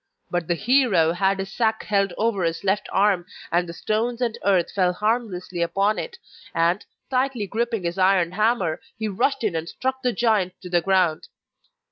But the hero had his sack held over his left arm and the stones and earth fell harmlessly upon it, and, tightly gripping his iron hammer, he rushed in and struck the giant to the ground.